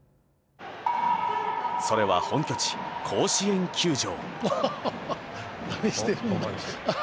それは本拠地甲子園球場。